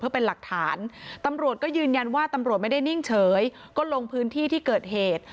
เพื่อเป็นหลักฐานตำรวจก็ยืนยันว่าตำรวจไม่ได้นิ่งเฉยก็ลงพื้นที่ที่เกิดเหตุ